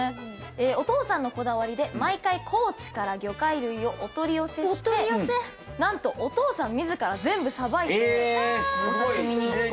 お父さんのこだわりで毎回高知から魚介類をお取り寄せして何とお父さん自ら全部さばいてお刺し身にしているそうです。